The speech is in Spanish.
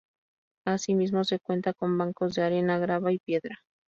Así mismo se cuenta con bancos de arena, grava y piedra.